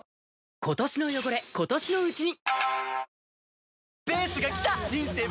今年の汚れ、今年のうちに。